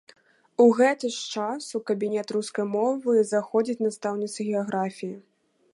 У гэты ж час у кабінет рускай мовы заходзіць настаўніца геаграфіі.